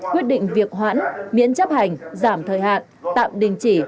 quyết định việc hoãn miễn chấp hành giảm thời hạn tạm đình chỉ